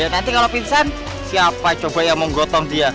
nanti kalau pingsan siapa coba yang mau gotong dia